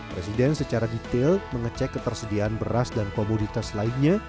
presiden secara detail mengecek ketersediaan beras dan komoditas lainnya